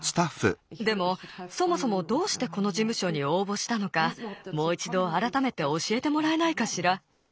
でもそもそもどうしてこのじむしょにおうぼしたのかもういちどあらためておしえてもらえないかしら？